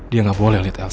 dia gak boleh lihat elsa